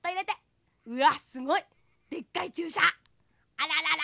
あららら